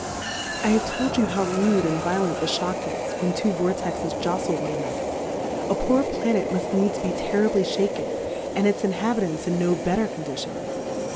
I have told you how rude and violent the Shock is, when two Vortexes joftle one another, a poor Pla net muft needs be terribly fhaken, and its Inhabitants in no better Condition.